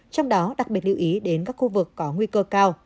trong đó đặc biệt lưu ý đến các khu vực có nguy cơ cao